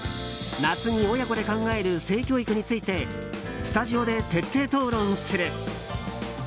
夏に親子で考える性教育についてスタジオで徹底討論する。